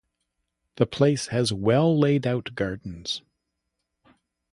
The place has well laid out gardens.